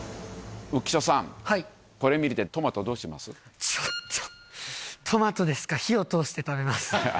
浮所さん、これ見て、トマト、ちょっと、トマトですか、火を通して食べます。